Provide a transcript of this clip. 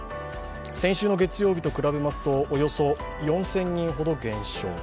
先週の月曜日と比べますとおよそ４０００人ほど減少。